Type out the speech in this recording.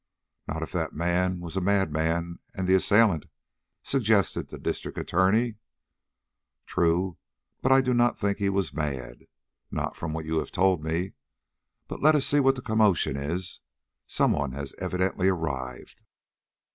"Not if that man was a madman and the assailant," suggested the District Attorney. "True, but I do not think he was mad not from what you have told me. But let us see what the commotion is. Some one has evidently arrived."